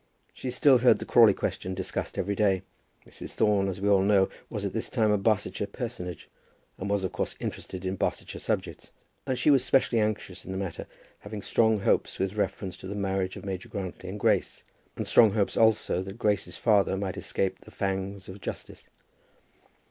She still heard the Crawley question discussed every day. Mrs. Thorne, as we all know, was at this time a Barsetshire personage, and was of course interested in Barsetshire subjects; and she was specially anxious in the matter, having strong hopes with reference to the marriage of Major Grantly and Grace, and strong hopes also that Grace's father might escape the fangs of justice.